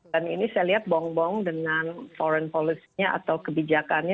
dan ini saya lihat bong bong dengan foreign policy nya atau kebijakannya